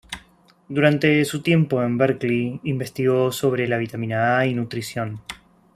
Durante su tiempo en Berkeley, investigó sobre la vitamina A y nutrición.